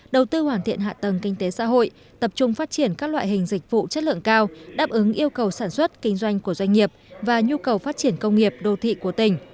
đầu tư hoàn thiện hạ tầng kinh tế xã hội tập trung phát triển các loại hình dịch vụ chất lượng cao đáp ứng yêu cầu sản xuất kinh doanh của doanh nghiệp và nhu cầu phát triển công nghiệp đô thị của tỉnh